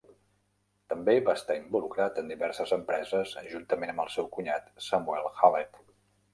També va estar involucrat en diverses empreses juntament amb el seu cunyat Samuel Hallett.